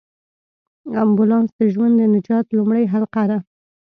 امبولانس د ژوند د نجات لومړۍ حلقه ده.